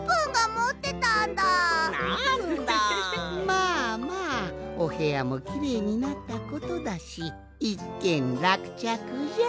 まあまあおへやもきれいになったことだしいっけんらくちゃくじゃ。